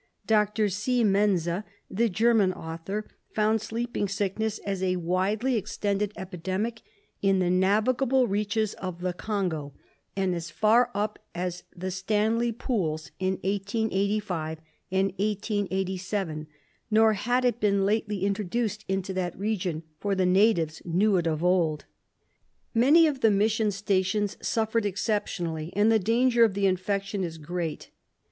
Dr. C. Mense, the German author, found sleeping sickness as a widely extended epidemic in SLEEPING SICKNESS 13 the navigable reaches of the Congo, and as far up as the Stanley Pools in 1885 and in 1887, nor had it been lately introduced into that region, for the natives knew it of old. Many of the mission stations suffered exceptionally, and the danger of the infection is great.